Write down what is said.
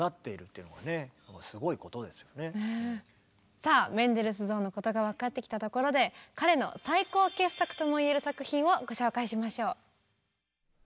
さあメンデルスゾーンのことが分かってきたところで彼の最高傑作とも言える作品をご紹介しましょう。